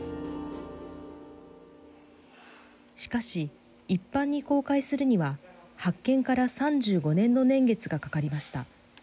しかし、一般に公開するには発見から３５年の年月がかかりました。